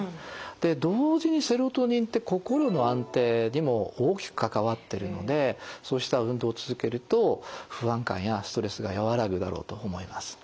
で同時にセロトニンって心の安定にも大きく関わってるのでそうした運動を続けると不安感やストレスが和らぐだろうと思います。